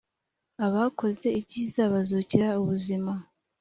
abakoze ibyiza bazukira ubuzima